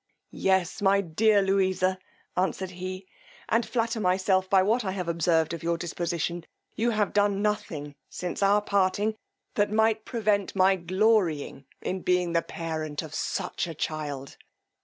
Yes, my Louisa, answered he, and flatter myself, by what I have observed of your disposition, you have done nothing, since our parting, that might prevent my glorying in being the parent of such a child.